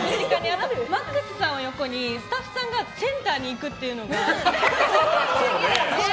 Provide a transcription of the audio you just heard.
ＭＡＸさんの横にスタッフさんがセンターで行くっていうのが。